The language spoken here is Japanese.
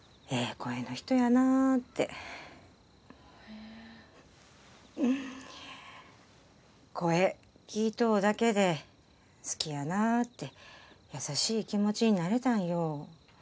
声の人やなあってへえ声聞いとうだけで好きやなあって優しい気持ちになれたんよ